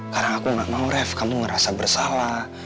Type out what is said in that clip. karena aku gak mau ref kamu ngerasa bersalah